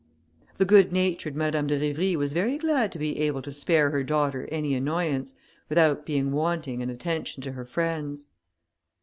The good natured Madame de Rivry was very glad to be able to spare her daughter any annoyance, without being wanting in attention to her friends.